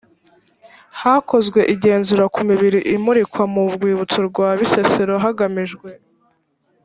hakozwe igenzura ku mibiri imurikwa mu rwibutso rwa bisesero hagamijwe